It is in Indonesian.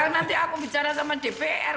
nanti aku bicara sama dpr